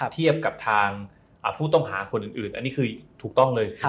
เทียบกับทางผู้ต้องหาคนอื่นอันนี้คือถูกต้องเลย